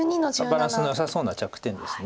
バランスのよさそうな着点です。